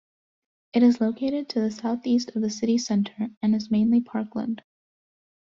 It is located to the southeast of the city centre, and is mainly parkland.